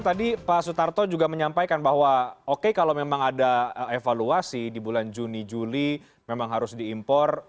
tadi pak sutarto juga menyampaikan bahwa oke kalau memang ada evaluasi di bulan juni juli memang harus diimpor